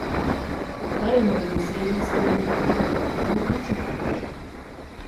彼の言う誠実という言葉は何の価値もなかった